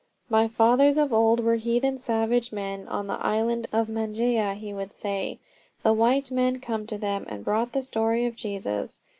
"My fathers of old were heathen, savage men on the island of Mangaia," he would say. "The white men came to them and brought the story of Jesus.